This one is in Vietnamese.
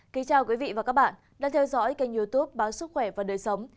chào các bạn đã theo dõi kênh youtube bán sức khỏe và đời sống